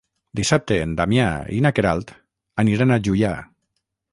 Dissabte en Damià i na Queralt aniran a Juià.